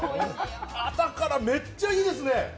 朝からめっちゃいいですね。